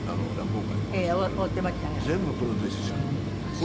全部プロデュースしちゃうの。